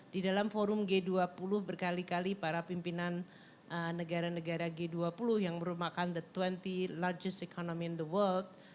di dalam forum g dua puluh berkali kali para pimpinan negara negara g dua puluh yang merupakan the dua puluh lurgest economy the world